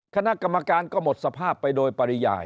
คณะกรรมการก็หมดสภาพไปโดยปริยาย